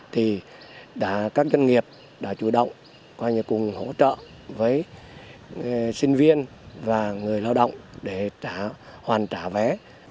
thì các doanh nghiệp đã chủ động qua nhà cùng hỗ trợ với sinh viên và người lao động để hoàn trả vé